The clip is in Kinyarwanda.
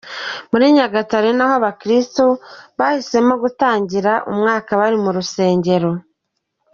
Muri Nyagatare naho abakristu nahisemo gutangira umwaka bari mu rusengero.